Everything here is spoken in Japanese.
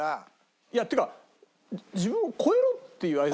いやっていうか「自分を超えろ」っていう合図。